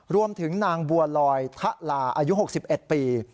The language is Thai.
รวมถึงนางบัวลอยทะลาอายุ๖๑ปี